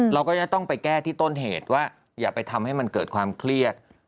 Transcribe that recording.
เราก็จะต้องไปแก้ที่ต้นเหตุว่าอย่าไปทำให้มันเกิดความเครียด